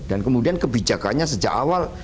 dan kemudian kebijakannya sejak awal